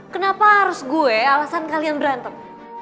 kenapa harus gue alasan kalian berantem